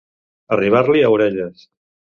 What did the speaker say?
Arribar-l'hi a orelles.